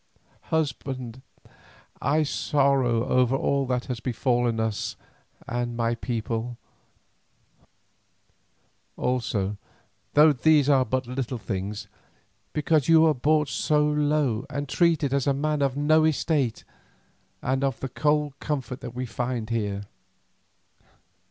Husband, I sorrow over all that has befallen us and my people—also, though these are but little things, because you are brought low and treated as a man of no estate, and of the cold comfort that we find here."